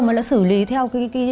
mà nó sử lý theo